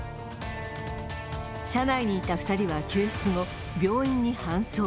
車内にいた２人は救出後病院に搬送。